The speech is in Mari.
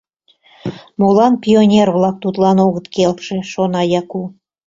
Молан пионер-влак тудлан огыт келше?» — шона Яку.